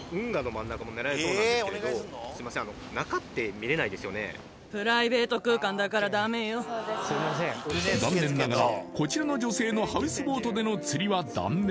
すいません残念ながらこちらの女性のハウスボートでの釣りは断念